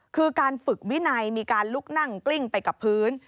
คือการฝึกวินัยมีการลุกนั่งกลิ้งไปกับพื้น